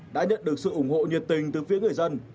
đã nhận được sự ủng hộ nhiệt tình từ phía người dân